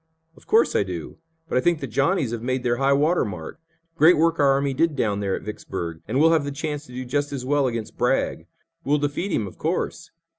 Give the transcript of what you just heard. "Of course, I do. But I think the Johnnies have made their high water mark. Great work our army did down there at Vicksburg, and we'll have the chance to do just as well against Bragg. We'll defeat him, of course.